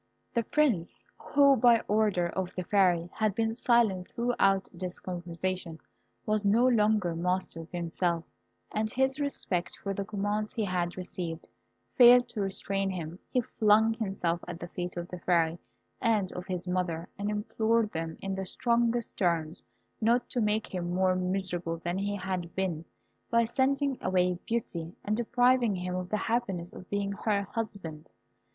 The Prince, who, by order of the Fairy, had been silent throughout this conversation, was no longer master of himself, and his respect for the commands he had received, failed to restrain him. He flung himself at the feet of the Fairy and of his mother, and implored them, in the strongest terms, not to make him more miserable than he had been, by sending away Beauty, and depriving him of the happiness of being her husband.